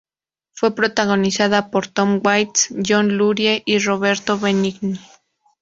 Fue protagonizada por Tom Waits, John Lurie y Roberto Benigni.